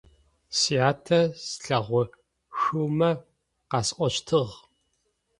Сятэ слъэгъушъумэ къасӏощтыгъ.